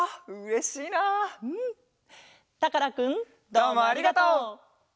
どうもありがとう。